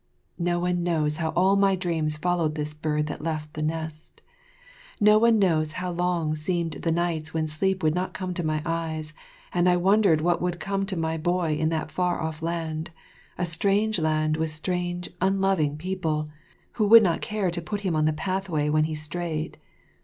No one knows how all my dreams followed this bird that left the nest. No one knows how long seemed the nights when sleep would not come to my eyes and I wondered what would come to my boy in that far off land, a strange land with strange, unloving people, who would not care to put him on the pathway when he strayed.